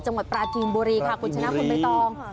จังหวัดปราจีนบุรีค่ะคุณชนะคนเบนตอง